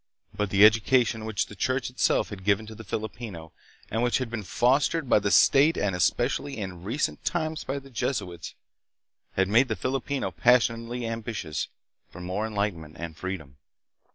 but the education which the church itself had given to the Filipino, and which had been fostered by the state and especially in recent times by the Jesuits, had made the Filipino passionately ambitious for more enlighten ment and freedom.